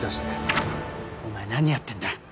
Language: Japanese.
お前何やってんだ。